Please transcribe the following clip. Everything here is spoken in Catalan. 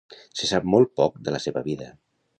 Se sap molt poc de la seva vida.